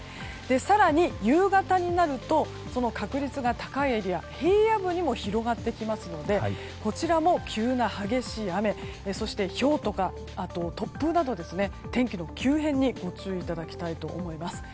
更に夕方になると確率の高いエリアが平野部にも広がってくるのでこちらも急な激しい雨そして、ひょうとか突風など天気の急変にご注意いただきたいと思います。